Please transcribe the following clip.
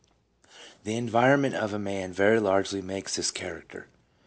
2 The environment of a man very largely makes his character.